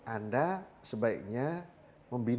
anda sebaiknya membina ini